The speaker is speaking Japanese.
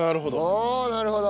なるほど。